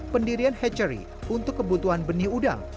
pendirian hatchery untuk kebutuhan benih udang